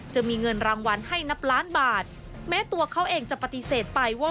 จะมีเงินรางวัลให้นับล้านบาทแม้ตัวเขาเองจะปฏิเสธไปว่า